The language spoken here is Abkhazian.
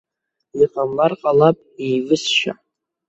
Иҟамлар ҟалап неивысшьа.